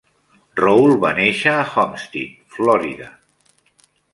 Rolle va néixer a Homestead, Florida.